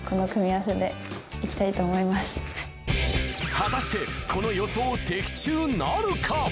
果たしてこの予想的中なるか？